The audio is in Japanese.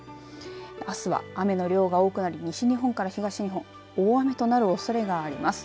あすは雨の量が多くなり西日本から東日本大雨となるおそれがあります。